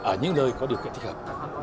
ở những nơi có điều kiện thích hợp